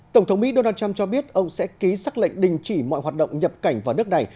tổng thống mỹ donald trump cho biết ông sẽ ký xác lệnh đình chỉ mọi hoạt động nhập cảnh vào nước này